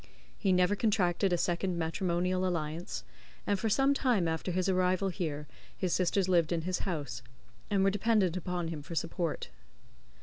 He never contracted a second matrimonial alliance, and for some time after his arrival here his sisters lived in his house, and were dependent upon him for support.